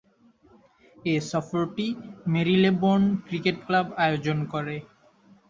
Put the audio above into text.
এ সফরটি Marylebone Cricket Club আয়োজন করে।